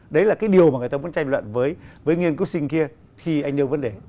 đấy là cái điều mà người ta muốn tranh luận với nghiên cứu sinh kia khi anh nêu vấn đề